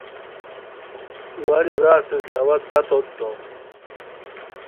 ایوالی را اسور کی اوا تتوت دوم